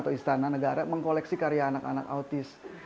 atau istana negara mengkoleksi karya anak anak autis